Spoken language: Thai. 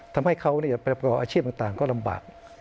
ทำให้เขาประกอบอาชีพต่างก็ลำบาก